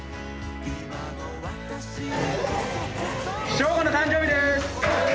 将伍の誕生日です！